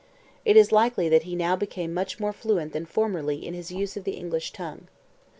It is likely that he now became much more fluent than formerly in his use of the English tongue.